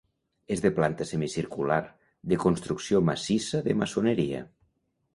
És de planta semicircular, de construcció massissa de maçoneria.